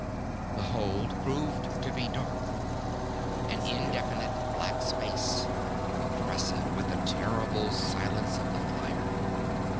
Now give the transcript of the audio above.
The hold proved to be dark. An indefinite black space, oppressive with the terrible silence of the flier.